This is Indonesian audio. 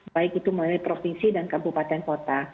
baik itu melalui provinsi dan kabupaten kota